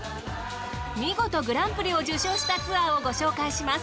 見事グランプリを受賞したツアーをご紹介します。